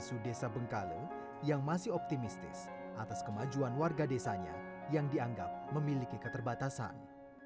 dan juga para pembantu desa bengkalo yang masih optimistis atas kemajuan warga desanya yang dianggap memiliki keterbatasan